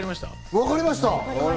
分かりました。